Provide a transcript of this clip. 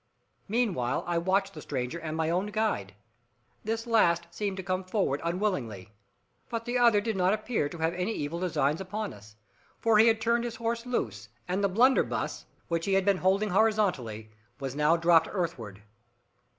Meanwhile, I watched the stranger, and my own guide. This last seemed to come forward unwillingly. But the other did not appear to have any evil designs upon us. For he had turned his horse loose, and the blunderbuss, which he had been holding horizontally, was now dropped earthward.